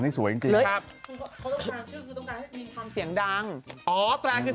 พี่หนุ่มก็รู้จัก